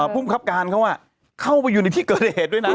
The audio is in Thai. ภูมิครับการเขาเข้าไปอยู่ในที่เกิดเหตุด้วยนะ